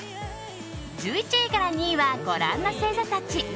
１１位から２位はご覧の星座たち。